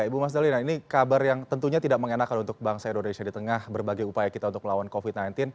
ibu mas dalina ini kabar yang tentunya tidak mengenakan untuk bangsa indonesia di tengah berbagai upaya kita untuk melawan covid sembilan belas